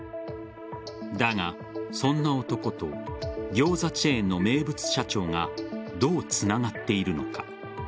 だが、そんな男と餃子チェーンの名物社長がどうつながっているのか。